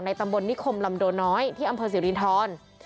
ตำบลนิคมลำโดน้อยที่อำเภอสิรินทร